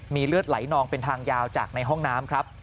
มีเลือดไหลนองเป็นทางยาวจากในห้องน้ำครับ